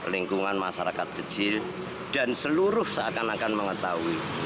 lingkungan masyarakat kecil dan seluruh seakan akan mengetahui